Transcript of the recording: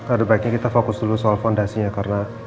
ada baiknya kita fokus dulu soal fondasinya karena